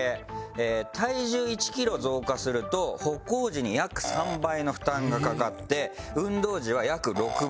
体重１キロ増加すると歩行時に約３倍の負担がかかって運動時は約６倍。